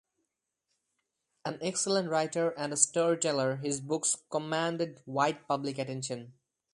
An excellent writer and story-teller, his books commanded wide public attention.